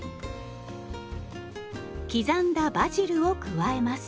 刻んだバジルを加えます。